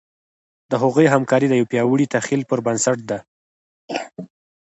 د هغوی همکاري د یوه پیاوړي تخیل پر بنسټ ده.